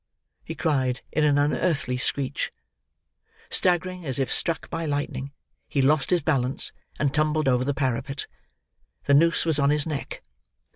he cried in an unearthly screech. Staggering as if struck by lightning, he lost his balance and tumbled over the parapet. The noose was on his neck.